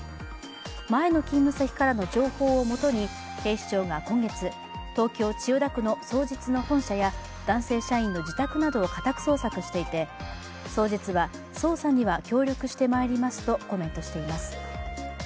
前の勤務先からの情報を元に警視庁が今月、東京・千代田区の双日の本社や男性社員の自宅などを家宅捜索していて双日は、捜査には協力してまいりますとコメントしています。